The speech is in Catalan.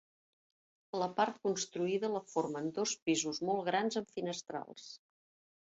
La part construïda la formen dos pisos molt grans amb finestrals.